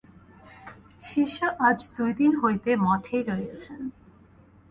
শিষ্য আজ দুই দিন হইতে মঠেই রহিয়াছে।